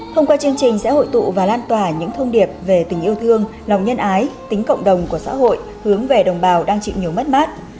thông qua chương trình sẽ hội tụ và lan tỏa những thông điệp về tình yêu thương lòng nhân ái tính cộng đồng của xã hội hướng về đồng bào đang chịu nhiều mất mát